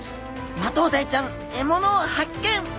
マトウダイちゃん獲物を発見！